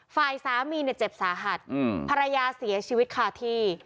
ฝ่ายสามีเนี่ยเจ็บสาหัสภรรยาเสียชีวิตคาที่